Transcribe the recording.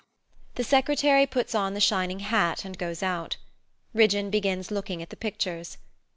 The Secretary puts on the shining hat and goes out. Ridgeon begins looking at the pictures.